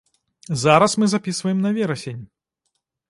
Зараз мы запісваем на верасень.